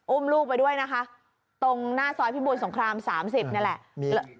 อุ้มลูกไปด้วยนะคะตรงหน้าซอยพิบูรสงคราม๓๐นี่แหละ